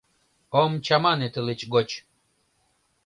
Ом чамане тылеч гоч